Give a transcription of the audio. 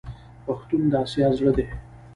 پښتون د اسیا زړه دی.